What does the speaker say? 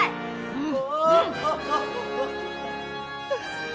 うわ！